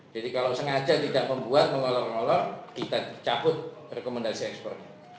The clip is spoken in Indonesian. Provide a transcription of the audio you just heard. jadi kalau sengaja tidak membuat mengolor olor kita cabut rekomendasi ekspor